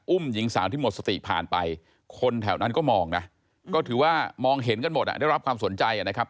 หญิงสาวที่หมดสติผ่านไปคนแถวนั้นก็มองนะก็ถือว่ามองเห็นกันหมดอ่ะได้รับความสนใจนะครับ